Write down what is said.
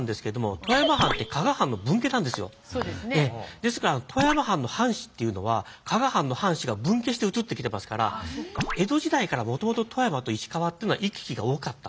ですから富山藩の藩士っていうのは加賀藩の藩士が分家して移ってきてますから江戸時代からもともと富山と石川っていうのは行き来が多かった。